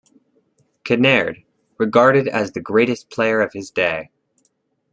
Kinnaird, regarded as the greatest player of his day.